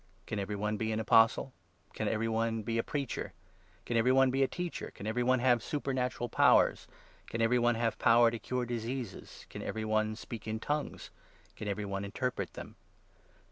Can every one be an Apostle ? can every 29 one be a Preacher ? can every one be a Teacher ? can every one have supernatural powers ? can every one have power to 30 cure diseases ? can every one speak in ' tongues '? can every one interpret them